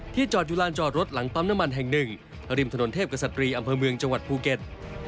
จอดอยู่ลานจอดรถหลังปั๊มน้ำมันแห่งหนึ่งริมถนนเทพกษัตรีอำเภอเมืองจังหวัดภูเก็ต